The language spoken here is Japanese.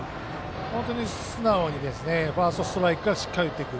本当に素直にファーストストライクからしっかり打っていく。